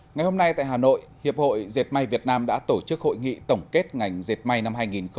ngày hôm nay tại hà nội hiệp hội diệt may việt nam đã tổ chức hội nghị tổng kết ngành dệt may năm hai nghìn hai mươi